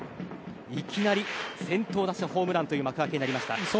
いきなり、先頭打者ホームランという幕開けとなりました。